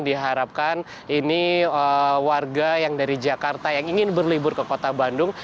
diharapkan ini warga yang dari jakarta yang ingin berlibur ke kota bandung